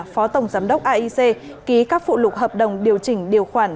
phó tổng giám đốc aic ký các phụ lục hợp đồng điều chỉnh điều khoản